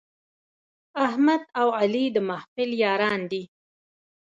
احمد او علي د محفل یاران دي.